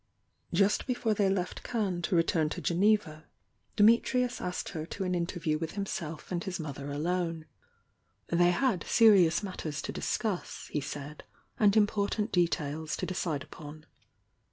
Just before they left Cannes to return to Geneva, Dimitrius asked her to an interview with himself ^11 THE YOUNG DIANA 268 and his mother alone. They had serious matters to discuss, he said, and important details to decide up on.